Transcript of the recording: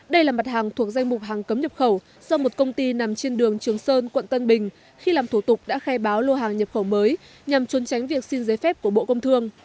đây là mặt hàng thuộc danh mục hàng cấm nhập khẩu do một công ty nằm trên đường trường sơn quận tân bình khi làm thủ tục đã khai báo lô hàng nhập khẩu mới nhằm trốn tránh việc xin giấy phép của bộ công thương